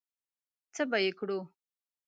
څه به یې کړو؟